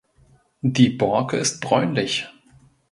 Die Borke ist bräunlich.